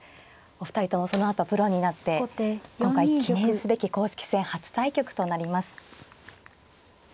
お二人ともそのあとプロになって今回記念すべき公式戦初対局となります。